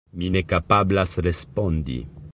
Mi ne kapablas respondi.